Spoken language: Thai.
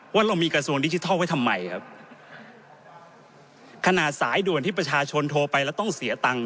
ว่าเรามีกระทรวงดิจิทัลไว้ทำไมครับขนาดสายด่วนที่ประชาชนโทรไปแล้วต้องเสียตังค์